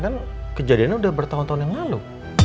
kan kejadiannya udah bertahun tahun yang lalu